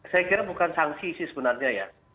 saya kira bukan sanksi sih sebenarnya ya